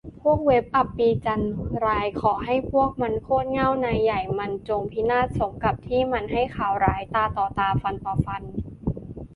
พวกเว็บอัปรีย์จันราย ขอให้พวกมัน โคตรเหง้า นายใหญ่มันจงพินาศสมกับที่มันให้ข่าวร้าย ตาต่อตา ฟันต่อฟัน